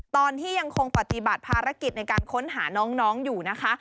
ตอนที่ยังคงปฏิบัติภารกิจในการค้นหาน้องอยู่นะคะ